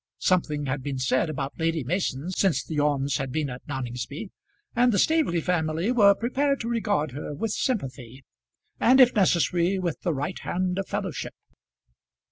Something had been said about Lady Mason since the Ormes had been at Noningsby, and the Staveley family were prepared to regard her with sympathy, and if necessary with the right hand of fellowship.